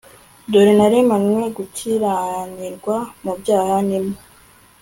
dore naremanywe gukiranirwa mu byaha ni mo